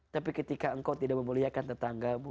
tapi ketika engkau tidak memuliakan tetanggamu